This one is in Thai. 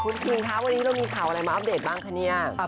คุณคิงคะวันนี้เรามีข่าวอะไรมาอัปเดตบ้างคะเนี่ย